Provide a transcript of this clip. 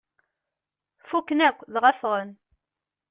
Fukken akk, dɣa ffɣen.